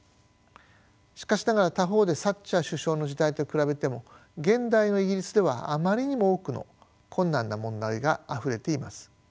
しかしながら他方でサッチャー首相の時代と比べても現代のイギリスではあまりにも多くの困難な問題があふれています。